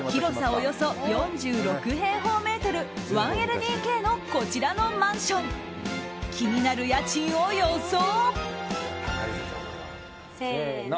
およそ４６平方メートル１ＬＤＫのこちらのマンション気になる家賃を予想！